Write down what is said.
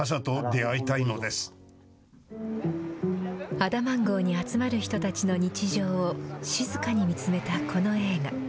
アダマン号に集まる人たちの日常を、静かに見つめたこの映画。